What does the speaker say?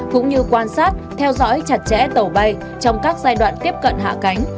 cũng như quan sát theo dõi chặt chẽ tàu bay trong các giai đoạn tiếp cận hạ cánh